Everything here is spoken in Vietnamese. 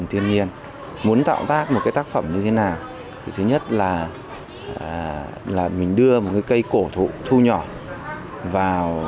thứ nhất là mình đưa một cây cổ thu nhỏ vào